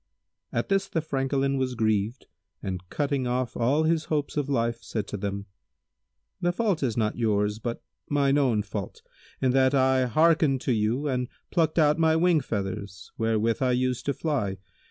At this the Francolin was grieved and cutting off all his hopes of life said to them, "The fault is not yours, but mine own fault, in that I hearkened to you and plucked out my wing feathers wherewith I used to fly.